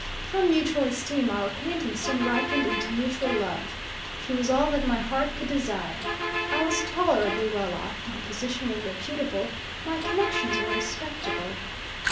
From mutual esteem our acquaintance soon ripened into mutual love. She was all that my heart could desire. I was tolerably well off; my position was reputable; my connections were respectable.